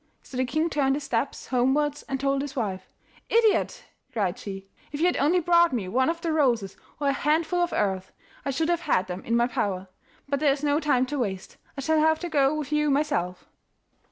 So the king turned his steps homewards and told his wife. 'Idiot!' cried she, 'if you had only brought me one of the roses, or a handful of earth, I should have had them in my power. But there is no time to waste. I shall have to go with you myself.